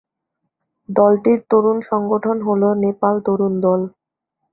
দলটির তরুণ সংগঠন হল নেপাল তরুণ দল।